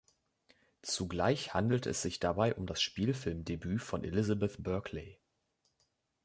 Zugleich handelt es sich dabei um das Spielfilmdebüt von Elizabeth Berkley.